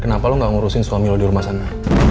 kenapa lo gak ngurusin suami lo di rumah sana